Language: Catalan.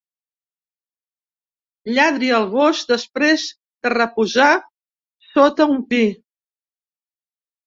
Lladri el gos després de reposar sota un pi.